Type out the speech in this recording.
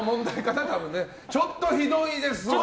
ちょっとひどいですわ。